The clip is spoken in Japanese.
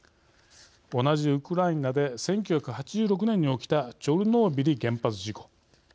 同じウクライナで１９８６年に起きたチョルノービリ原発事故。